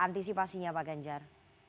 antisipasinya pak ganjar